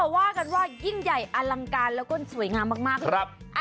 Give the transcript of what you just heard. ว่ากันว่ายิ่งใหญ่อลังการแล้วก็สวยงามมากเลยครับ